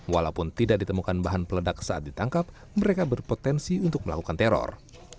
walaupun tidak ditemukan bahan peledak saat ditangkap mereka berpotensi untuk melakukan teror